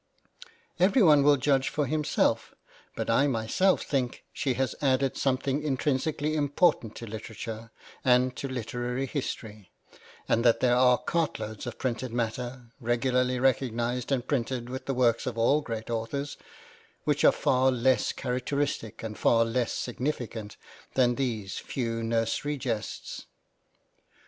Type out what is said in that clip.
Everyone will judge for himself; but I myself think she has added something intrinsically important to literature and to literary history ; and that there are cartloads of printed matter, regularly recognised and printed with the works of all great authors, which are far less characteristic and far less significant than these few nursery jests.